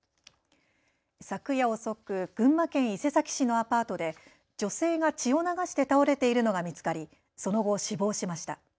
昨夜遅く群馬県伊勢崎市のアパートで女性が血を流して倒れているのが見つかりその後、死亡しました。